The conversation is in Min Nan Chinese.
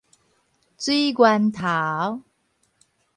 水源頭